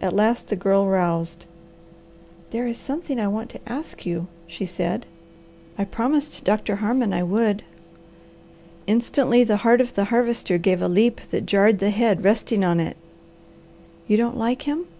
At last the Girl roused. "There is something I want to ask you," she said. "I promised Doctor Harmon I would." Instantly the heart of the Harvester gave a leap that jarred the head resting on it. "You don't like him?"